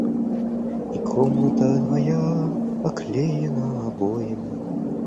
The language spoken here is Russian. И комната твоя оклеена обоями.